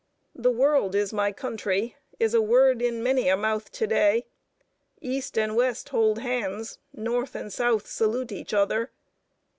"The world is my country" is a word in many a mouth to day. East and West hold hands; North and South salute each other.